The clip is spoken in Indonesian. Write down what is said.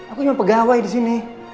aku cuma pegawai di sini